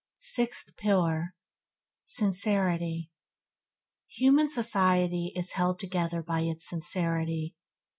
Sixth pillar – Sincerity Human society is held together by its sincerity.